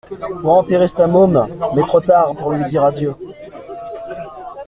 pour enterrer sa môme mais trop tard, pour lui dire adieu.